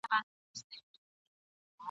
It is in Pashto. د ځنګله په غرڅه ګانو کي سردار وو !.